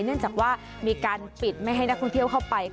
เนื่องจากว่ามีการปิดไม่ให้คนที่ถนานเข้าไป